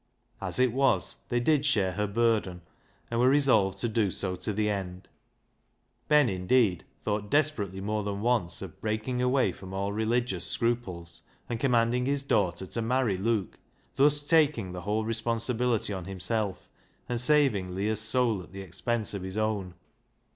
As it was, they did share her burden, and were resolved to do so to the end. Ben, indeed, thought desperately more than once of breaking away from all religious scruples and commanding his daughter to marry Luke, thus taking the whole responsi bility on himself, and saving Leah's soul at the expense of his own.